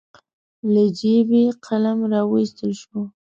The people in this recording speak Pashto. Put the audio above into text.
له جېبې قلم راواييستل شو.